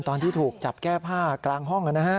ตอนที่ถูกจับแก้ผ้ากลางห้องนะฮะ